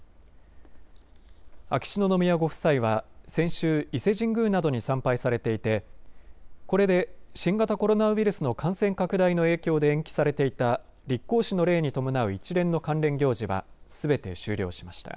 秋篠宮ご夫妻は先週、伊勢神宮などに参拝されていてこれで新型新型コロナウイルスの感染拡大の影響で延期されていた立皇嗣の礼に伴う一連の関連行事はすべて終了しました。